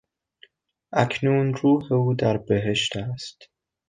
اکنون روح او در بهشت است.